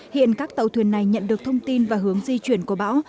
hiện các tàu thuyền này nhận được thông tin và hướng di chuyển của bão